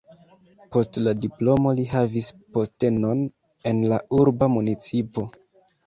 Post la diplomo li havis postenon en la urba municipo.